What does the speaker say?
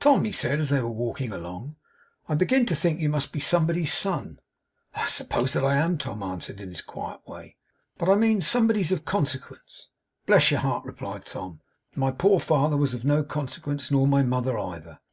'Tom,' he said, as they were walking along, 'I begin to think you must be somebody's son.' 'I suppose I am,' Tom answered in his quiet way. 'But I mean somebody's of consequence.' 'Bless your heart,' replied Tom, 'my poor father was of no consequence, nor my mother either.